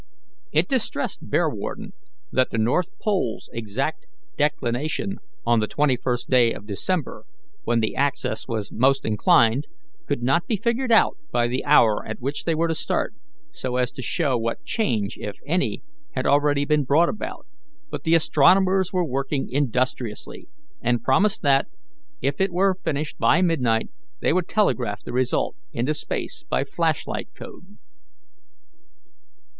It distressed Bearwarden that the north pole's exact declination on the 21st day of December, when the axis was most inclined, could not be figured out by the hour at which they were to start, so as to show what change, if any, had already been brought about, but the astronomers were working industriously, and promised that, if it were finished by midnight, they would telegraph the result into space by flash light code.